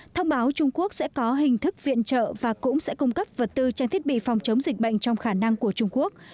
thông báo trung quốc sẽ có hình thức viện trợ và cũng sẽ cung cấp vật tư trang thiết bị phòng chống dịch bệnh trong khả năng của trung quốc